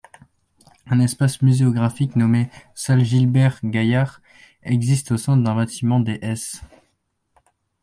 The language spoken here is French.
Un espace muséographique nommé salle Gilbert-Gaillard existe au sein d'un bâtiment des s.